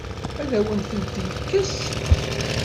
Ad awen-tent-yekkes?